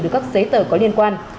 được các giấy tờ có liên quan